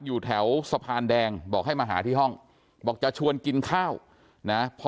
อยู่แถวสะพานแดงบอกให้มาหาที่ห้องบอกจะชวนกินข้าวนะ